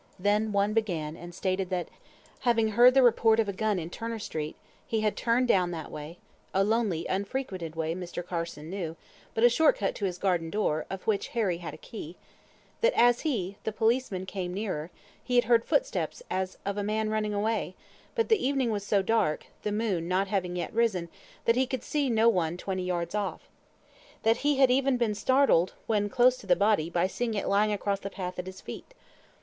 Then one began, and stated that having heard the report of a gun in Turner Street, he had turned down that way (a lonely, unfrequented way Mr. Carson knew, but a short cut to his garden door, of which Harry had a key); that as he (the policeman) came nearer, he had heard footsteps as of a man running away; but the evening was so dark (the moon not having yet risen) that he could see no one twenty yards off. That he had even been startled when close to the body by seeing it lying across the path at his feet.